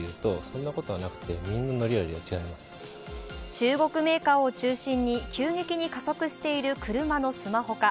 中国メーカーを中心に急激に加速している車のスマホ化。